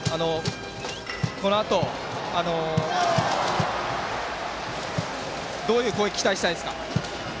このあと、どういう攻撃を期待したいですか。